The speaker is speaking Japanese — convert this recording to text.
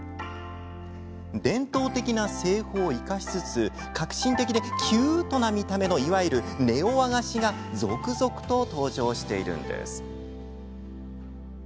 伝統的な製法を生かしつつ革新的でキュートな見た目のいわゆる、ネオ和菓子が続々と登場しているんです。